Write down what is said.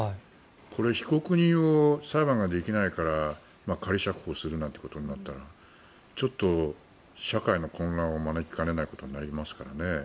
これ、被告人を裁判ができないから仮釈放するなんてことになったらちょっと社会の混乱を招きかねないことになりますからね。